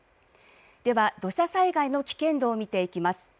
では土砂災害の危険度を見ていきます。